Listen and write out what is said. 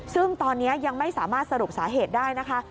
ซึ่งตอนนี้ยังไม่สามารถสรุปสาเหตุได้นะคะ